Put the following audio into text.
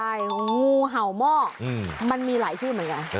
ใช่งูเห่าหม้อมันมีหลายชื่อเหมือนกัน